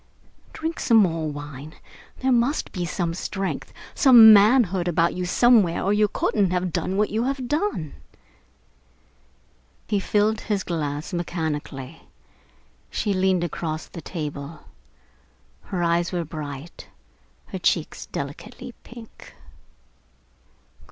Drink some more wine. There must be some strength, some manhood about you somewhere, or you couldn't have done what you have done." He filled his glass mechanically. She leaned across the table. Her eyes were bright, her cheeks delicately pink.